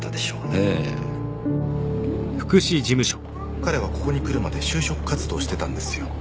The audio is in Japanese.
彼はここに来るまで就職活動をしてたんですよ。